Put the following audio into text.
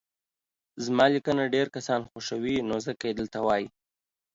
زما ليکنه ډير کسان خوښوي نو ځکه يي دلته وايي